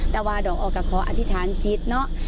แต่ว่าดอกออกก็ขออธิษฐานจิตเนอะ